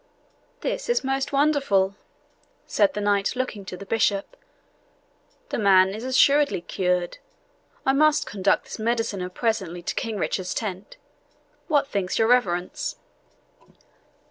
"This is most wonderful," said the knight, looking to the bishop; "the man is assuredly cured. I must conduct this mediciner presently to King Richard's tent. What thinks your reverence?"